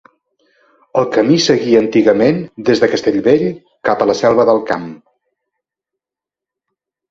El camí seguia antigament des de Castellvell cap a La Selva del Camp.